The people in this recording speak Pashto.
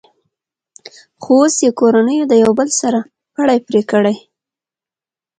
خو اوس یې کورنیو یو د بل سره پړی پرې کړی.